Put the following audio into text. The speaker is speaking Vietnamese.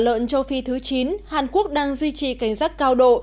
trong châu phi thứ chín hàn quốc đang duy trì cảnh giác cao độ